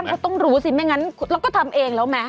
ก็ต้องรู้สิไม่งั้นเราก็ทำเองแล้วไหม